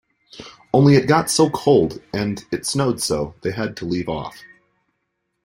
Only it got so cold, and it snowed so, they had to leave off.